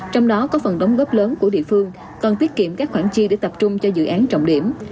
trong đó có phần đóng góp lớn của địa phương còn tiết kiệm các khoản chia để tập trung cho dự án trọng điểm